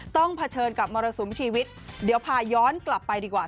เผชิญกับมรสุมชีวิตเดี๋ยวพาย้อนกลับไปดีกว่า